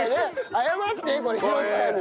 謝ってこれひろしさんに。